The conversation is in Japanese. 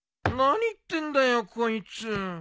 何言ってんだよこいつ。